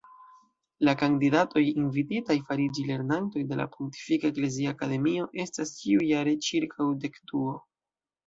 La kandidatoj invititaj fariĝi lernantoj de la Pontifika Eklezia Akademio estas ĉiujare ĉirkaŭ dekduo.